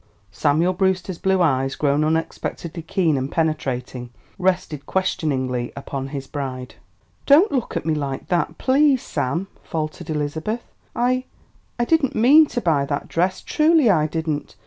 Samuel Brewster's blue eyes, grown unexpectedly keen and penetrating, rested questioningly upon his bride. "Don't look at me like that please, Sam!" faltered Elizabeth. "I I didn't mean to buy that dress; truly I didn't.